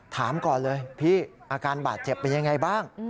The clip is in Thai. ถามก่อนเลยพี่อาการบาดเจ็บเป็นยังไงบ้าง